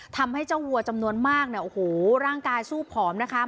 ทำให้เจ้าวัวจำนวนมากเนี่ยโอ้โหร่างกายสู้ผอมนะคะ